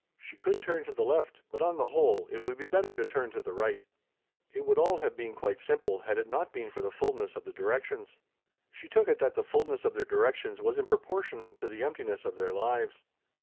She could turn to the left, but, on the whole, it would be better to turn to the right It would all have been quite simple had it not been for the fullness of the directions. She took it that the fullness of their directions was in proportion to the emptiness of their lives.